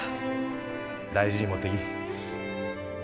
大事に持っていき。